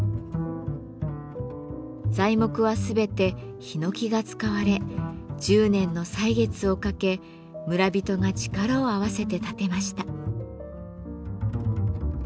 材木は全てひのきが使われ１０年の歳月をかけ村人が力を合わせて建てました。